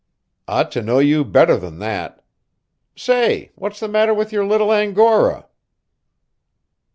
Ought to know you better than that. Say, what's the matter with your little angora?